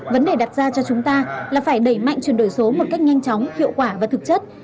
vấn đề đặt ra cho chúng ta là phải đẩy mạnh chuyển đổi số một cách nhanh chóng hiệu quả và thực chất